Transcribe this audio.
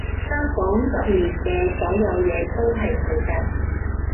間房入面嘅所有嘢都係佢嘅